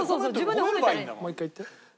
もう１回言って。